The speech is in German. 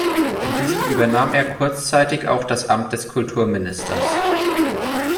In diesem übernahm er kurzzeitig auch das Amt des Kultusministers.